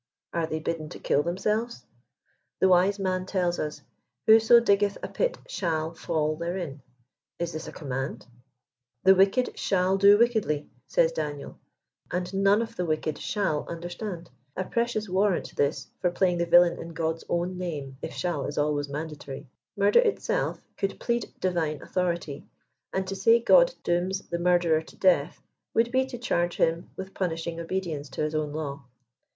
Are they bidden to kill themselves ? The wise man tells us, "Whoso diggeih a pit shall fall therein." Is this a command ?" The wicked shall do wickedly," says Daniel, " and none of the wicked shall understand." A pre cious warrant this for playing the villain in God's own name, if " shall" is always mandatory. Murder itself could plead divine authority, and to say God dooms the murderer to death, would be to charge him with punishing obedience to his own law.